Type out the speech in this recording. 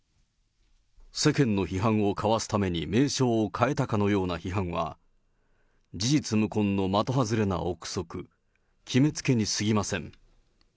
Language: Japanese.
世間の批判をかわすために名称を変えたかのような批判は、事実無根の的外れな臆測、決めつけにすぎません。